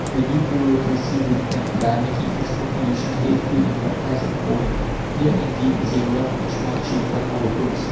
The new bureaucracy would end by making expropriation hateful in the eyes of all. Here, indeed, is a rock which might shipwreck our hopes.